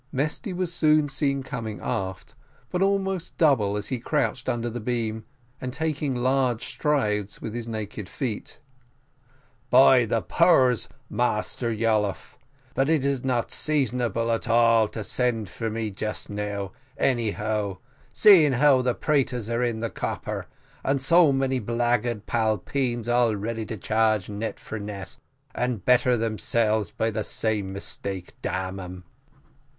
Mesty was soon seen coming aft, but almost double as he couched under the beams, and taking large strides with his naked feet. "By the powers, Massa Yolliffe, but it is not seasonable at all to send for me just now, anyhow, seeing how the praters are in the copper, and so many blackguard 'palpeens all ready to change net for net, and better themselves by the same mistake, `dam um.'"